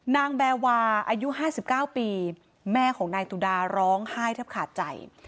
นางแบ่วาอายุห้าสิบเก้าปีแม่ของนายตุดาร้องไห้เท็บขาดใจ